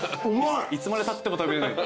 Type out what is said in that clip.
いつまでたっても食べれない。